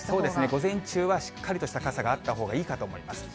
午前中はしっかりとした傘があったほうがいいかと思います。